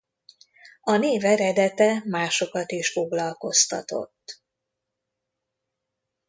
A név eredete másokat is foglalkoztatott.